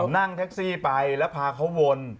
นั่งแท็กซี่ไปแล้วพาเขาวน